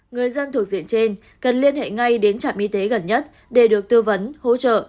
người dân thuộc diện trên cần liên hệ ngay đến trạm y tế gần nhất để được tư vấn hỗ trợ